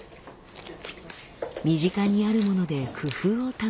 身近にあるもので工夫を楽しむ。